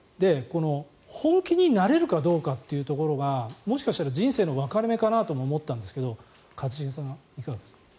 本気になれるかどうかっていうところがもしかしたら人生の分かれ目かなと思ったんですが一茂さん、いかがですか。